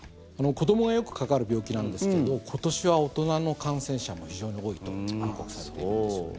子どもがよくかかる病気なんですけど今年は大人の感染者も非常に多いと報告されているんですよね。